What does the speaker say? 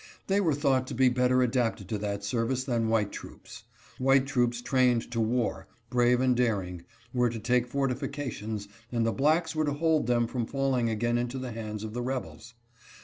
They were thought to be better adapted to that service than white troops. White troops trained to war, brave and daring, were to take fortifications, and the blacks were to hold them from falling again into the hands of the rebels.